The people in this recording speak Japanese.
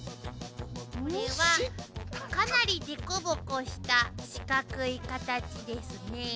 これはかなりデコボコした四角いカタチですねぇ。